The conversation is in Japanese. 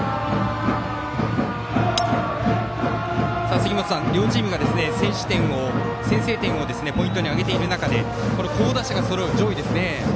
杉本さん、両チームが先制点をポイントに挙げている中で好打者がそろう上位ですね。